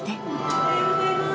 おはようございます。